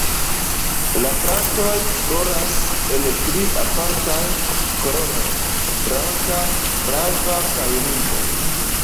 La plantoj floras en tri apartaj koloroj: blanka, flava kaj ruĝa.